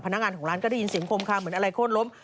พนักงานของร้านก็ได้ยินเสียงคมคาเหมือนอะไรโค้นล้ม